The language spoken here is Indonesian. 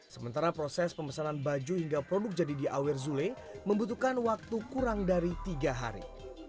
sementara proses pemesanan baju hingga produk jadi di awer zule membutuhkan waktu kurang dari tiga hari